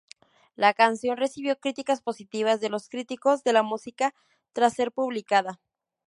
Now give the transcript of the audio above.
La canción recibió críticas positivas de los críticos de la música tras ser publicada.